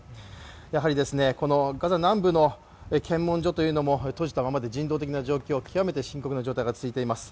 やはり、ガザ南部の検問所というのも閉じたままで人道的な状況は極めて深刻な状況が続いています。